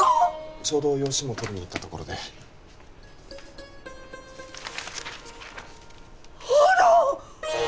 ちょうど用紙も取りに行ったところであら！？